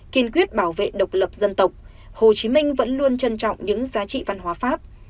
kiên quyết bảo vệ độc lập dân tộc hồ chí minh vẫn luôn trân trọng những giá trị văn hóa pháp